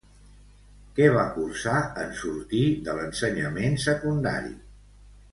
Què va cursar en sortir de l'ensenyament secundari?